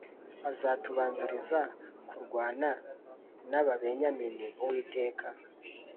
uzatubanziriza kurwana n Ababenyamini Uwiteka